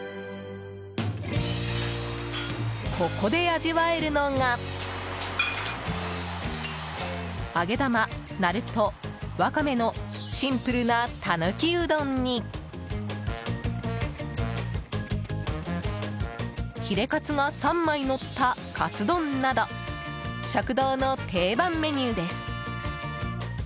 ここで味わえるのが揚げ玉、ナルト、ワカメのシンプルなたぬきうどんにヒレカツが３枚のったカツ丼など食堂の定番メニューです。